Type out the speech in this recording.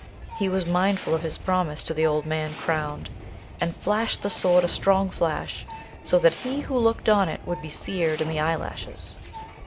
He was mindful of his promise to the old man crowned, and flashed the Sword a strong flash, so that he who looked on it would be seared in the eyelashes.